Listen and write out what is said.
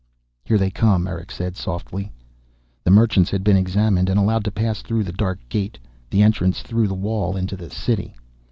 "Here they come," Erick said softly. The merchants had been examined and allowed to pass through the dark gate, the entrance through the wall into the City.